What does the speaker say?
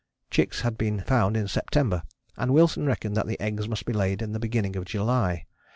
Chicks had been found in September, and Wilson reckoned that the eggs must be laid in the beginning of July.